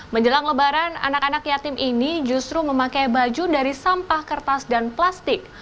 menjelang lebaran anak anak yatim ini justru memakai baju dari sampah kertas dan plastik